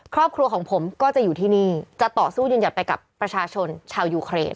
ครอบครัวของผมก็จะอยู่ที่นี่จะต่อสู้ยืนหยัดไปกับประชาชนชาวยูเครน